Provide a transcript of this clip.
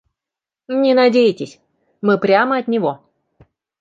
Не надейтесь, мы прямо от него.